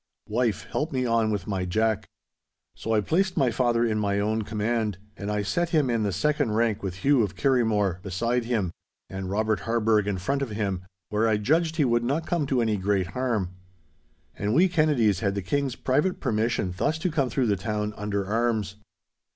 Wife, help me on with my jack.' So I placed my father in my own command, and I set him in the second rank with Hugh of Kirriemore beside him and Robert Harburgh in front of him, where I judged he would not come to any great harm. And we Kennedies had the King's private permission thus to come through the town under arms.